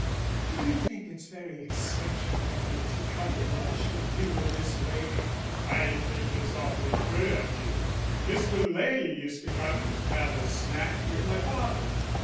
"D'you think it's very eccentric of me to come and lunch with you in this way?" "I think it's awfully good of you. Mr. Ley often used to come and have a snack with my father."